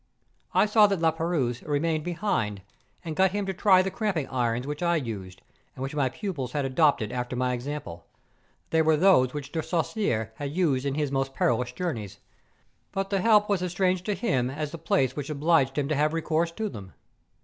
I saw that La Peyrouse remained behind, and got him to try the cramping irons which I used, and which my pupils had adopted after my example; they were those which De Saussure had used in his most perilous journeys. But the help was as strange to him as the place which obliged him to have recourse to them.